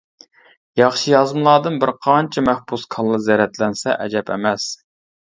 ياخشى يازمىلاردىن بىر قانچە مەھبۇس كاللا زەرەتلەنسە ئەجەب ئەمەس.